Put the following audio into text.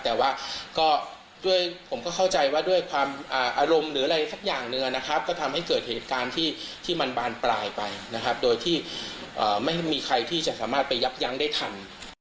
แต่ว่าก็ด้วยผมก็เข้าใจว่าด้วยความอารมณ์หรืออะไรสักอย่างหนึ่งนะครับก็ทำให้เกิดเหตุการณ์ที่มันบานปลายไปนะครับโดยที่ไม่มีใครที่จะสามารถไปยับยั้งได้ทัน